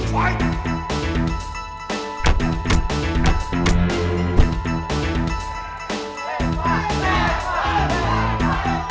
yang nonton belakangnya reva ya